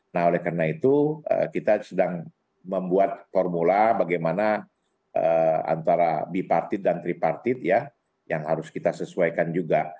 nah oleh karena itu kita sedang membuat formula bagaimana antara bipartit dan tripartit ya yang harus kita sesuaikan juga